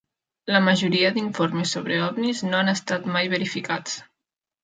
La majoria d'informes sobre OVNIS no han estat mai verificats.